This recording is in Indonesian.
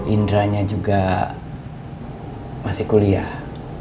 indranya juga masih kuliah